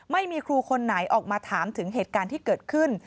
ไม่มีครูคนไหนออกมาถามถึงเหตุการณ์ที่เกิดขึ้น